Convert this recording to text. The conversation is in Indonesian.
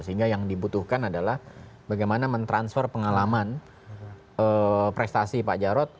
sehingga yang dibutuhkan adalah bagaimana mentransfer pengalaman prestasi pak jarod